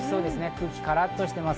空気がカラッとしています。